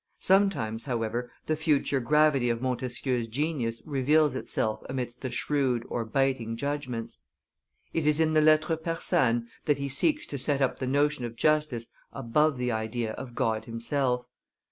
Sometimes, however, the future gravity of Montesquieu's genius reveals itself amidst the shrewd or biting judgments. It is in the Lettres persanes that he seeks to set up the notion of justice above the idea of God himself.